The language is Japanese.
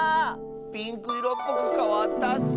ピンクいろっぽくかわったッス！